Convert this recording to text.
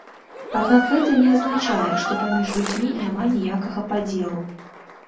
Аднак гэта не азначае, что паміж людзьмі няма ніякага падзелу.